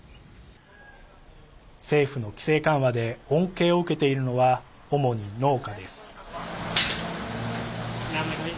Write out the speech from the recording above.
政府の規制緩和で恩恵を受けているのは主に農家です。